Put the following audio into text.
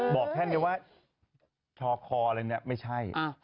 บอกแทนเดียวว่าช่อคออะไรเนี่ยไม่ใช่